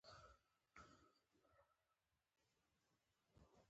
دوايانې ګرانې شوې